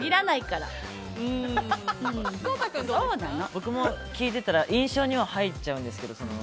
僕も聞いてたら印象には入っちゃうんですけど